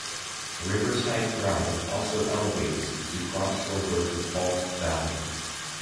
Riverside Drive also elevates to cross over the fault valley.